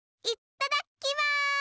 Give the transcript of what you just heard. いっただっきます！